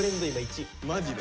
マジで？